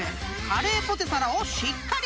［カレーポテサラをしっかり完食］